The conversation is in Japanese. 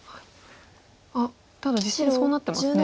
あっただ実戦そうなってますね。